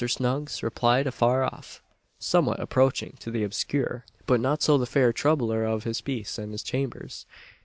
Snuggs replied afar off somewhat approaching to the obscure; but not so the fair troubler of his peace and his chambers.